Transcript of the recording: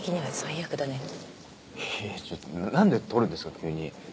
いやいやちょっと何で撮るんですか急に。